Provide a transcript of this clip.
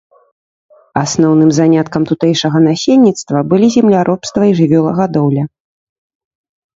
Асноўным заняткам тутэйшага насельніцтва былі земляробства і жывёлагадоўля.